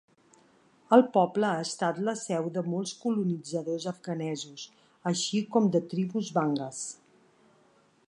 El poble ha estat la seu de molts colonitzadors afganesos, així com de tribus Bangash.